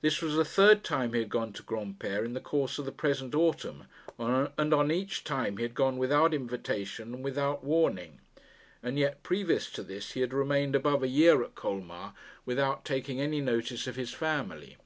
This was the third time he had gone to Granpere in the course of the present autumn, and on each time he had gone without invitation and without warning. And yet, previous to this, he had remained above a year at Colmar without taking any notice of his family.